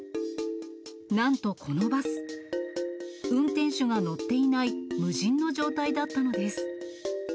なんとこのバス、運転手が乗っていない無人の状態だったのです。